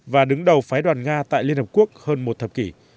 và đứng đầu phái đoàn nga tại liên hợp quốc hơn một thập kỷ